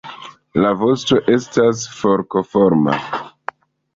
La vosto estas forkoforma.